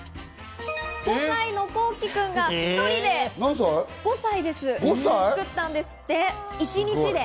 ５歳のこうきくんが１人で作ったんですって、一日で。